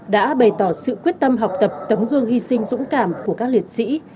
đã bày tỏ sự quyết tâm học tập tấm gương hy sinh dũng cảm của các liệt sĩ